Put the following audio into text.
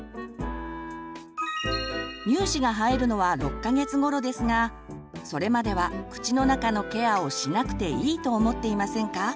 乳歯が生えるのは６か月ごろですがそれまでは口の中のケアをしなくていいと思っていませんか？